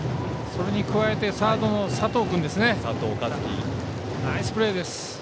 それに加えてサードの佐藤君ナイスプレーです。